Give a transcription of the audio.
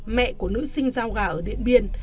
mẹ của nữ sinh giao gà ở điện biên